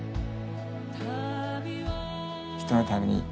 人のために。